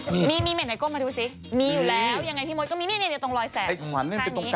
เดี๋ยวเราออกมาก่อนต่อค่ะ